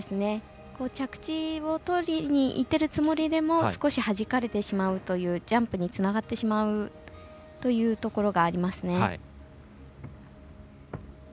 着地をとりにいってるつもりでも少しはじかれてしまうというジャンプにつながってしまうというところがありますね。